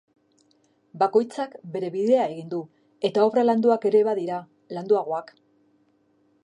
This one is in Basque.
Bakoitzak bere bidea egin du, eta obra landuak ere badira, landuagoak.